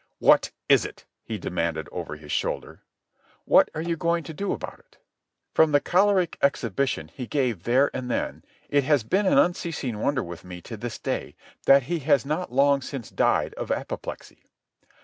"What is it?" he demanded over his shoulder. "What are you going to do about it?" From the choleric exhibition he gave there and then it has been an unceasing wonder with me to this day that he has not long since died of apoplexy.